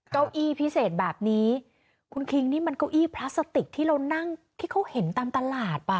เก้าอี้พิเศษแบบนี้คุณคิงนี่มันเก้าอี้พลาสติกที่เรานั่งที่เขาเห็นตามตลาดอ่ะ